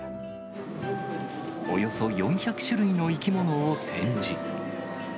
およそ４００種類の生き物を展示。